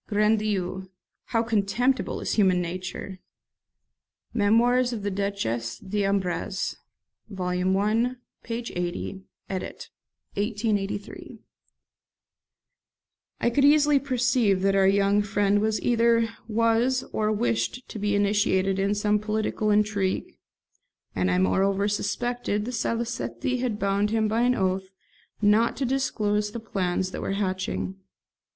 Grand Dieu! how contemptible is human nature!'" (Memoirs of the Duchesse d'Abrantes, vol. i. p. 80, edit. 1883.)] I could easily perceive that our young friend either was or wished to be initiated in some political intrigue; and I moreover suspected that Salicetti had bound him by an oath not to disclose the plans that were hatching.